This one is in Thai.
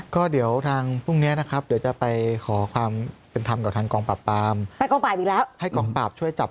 ก็เดี๋ยวทางพรุ่งนี้นะครับ